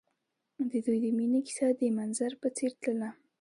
د دوی د مینې کیسه د منظر په څېر تلله.